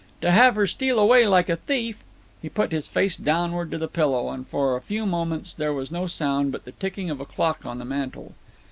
To have her steal away like a thief " He put his face downward to the pillow, and for a few moments there was no sound but the ticking of a clock on the mantel.